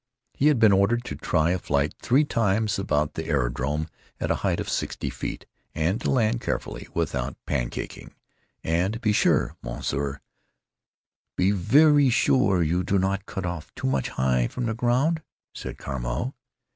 He had been ordered to try a flight three times about the aerodrome at a height of sixty feet, and to land carefully, without pancaking—"and be sure, Monsieur, be veree sure you do not cut off too high from the ground," said Carmeau.